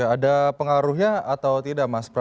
ada pengaruhnya atau tidak mas